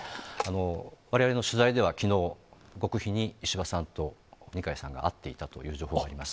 われわれの取材では、きのう、極秘に石破さんと二階さんが会っていたという情報があります。